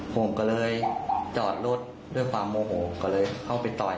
ผมก็เลยจอดรถด้วยความโมโหก็เลยเข้าไปต่อย